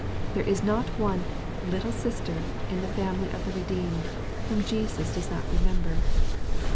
There is not one "little sister" in the family of the redeemed, whom Jesus does not remember.